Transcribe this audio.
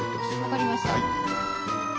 分かりました。